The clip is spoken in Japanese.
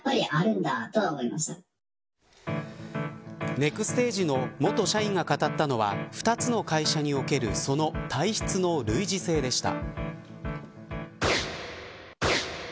ネクステージの元社員が語ったのは２つの会社におけるその体質の類似性でした。